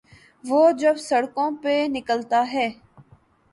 وہ جب سڑکوں پہ نکلتا ہے۔